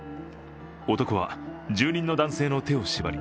男は住人の男性の手を縛り